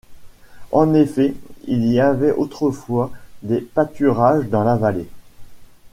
En effet, il y avait autrefois des pâturages dans la vallée.